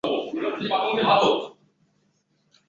不具任何经济价值。